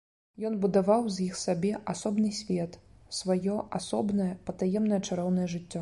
Ён будаваў з іх сабе асобны свет, сваё асобнае, патаемнае, чароўнае жыццё.